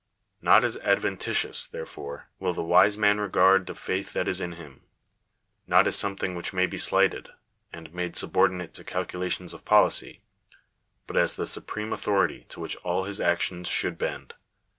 Not as adventitious, therefore, will the wise man regard the faith that is in him — not as something which may be slighted, and made subordinate to calculations of policy; but as the supreme authority to Which all his actions should bend.